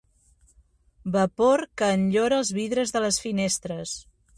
Vapor que enllora els vidres de les finestres.